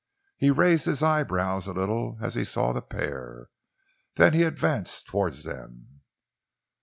He raised his eye brows a little as he saw the pair. Then he advanced towards them.